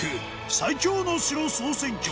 最強の城総選挙